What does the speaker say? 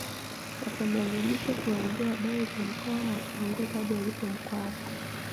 Wakamlazimisha kuwaambia habari za Mkwawa akawaongoza hadi alipo Mkwawa